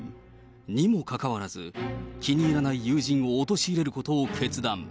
にもかかわらず、気に入らない友人を陥れることを決断。